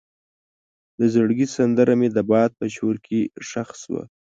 د زړګي سندره مې د باد په شور کې ښخ شوه.